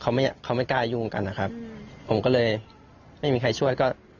เขาไม่เขาไม่กล้ายุ่งกันนะครับผมก็เลยไม่มีใครช่วยก็